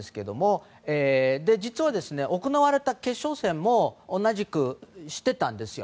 実は、行われた決勝戦も同じく、そうしてたんです。